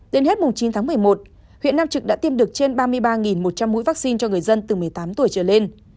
đến hết chín tháng một mươi một huyện nam trực đã tiêm được trên ba mươi ba một trăm linh mũi vaccine cho người dân từ một mươi tám tuổi trở lên